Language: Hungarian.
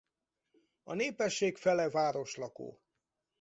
A népesség fele városlakó.